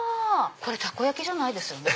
これたこ焼きじゃないですよね？